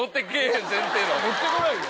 乗ってこないよ。